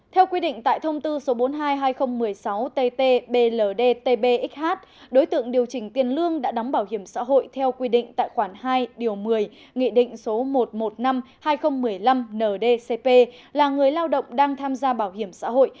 theo quy định tại thông tư số bốn mươi hai hai nghìn một mươi sáu tt bld tbxh đối tượng điều chỉnh tiền lương đã đóng bảo hiểm xã hội theo quy định tại khoản hai điều một mươi nghị định số một trăm một mươi năm hai nghìn một mươi năm ndcp là người lao động đang tham gia bảo hiểm xã hội